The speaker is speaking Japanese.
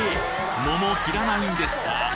桃切らないんですか？